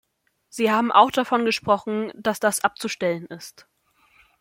Sie haben auch davon gesprochen, dass das abzustellen ist.